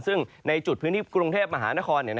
ซึ่งในจุดพื้นที่กรุงเทพมหานคร